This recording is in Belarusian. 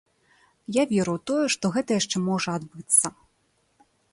Я веру ў тое, што гэта яшчэ можа адбыцца.